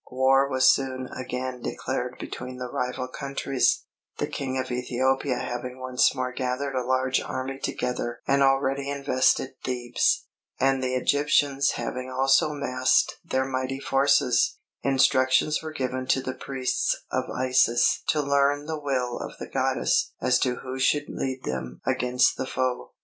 War was soon again declared between the rival countries, the King of Ethiopia having once more gathered a large army together and already invested Thebes; and the Egyptians having also massed their mighty forces, instructions were given to the priests of Isis to learn the will of the goddess as to who should lead them against the foe.